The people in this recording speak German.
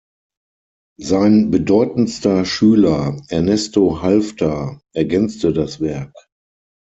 Sein bedeutendster Schüler Ernesto Halffter ergänzte das Werk.